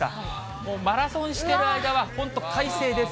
もうマラソンしてる間は、本当、快晴です。